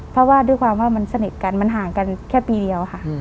เพราะว่าด้วยความว่ามันสนิทกันมันห่างกันแค่ปีเดียวค่ะ